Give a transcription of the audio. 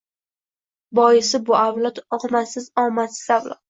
Boisi — bu avlod... omadsiz-omadsiz avlod!